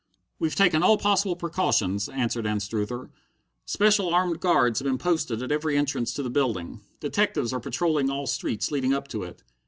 "We've taken all possible precautions," answered Anstruther. "Special armed guards have been posted at every entrance to the building. Detectives are patrolling all streets leading up to it.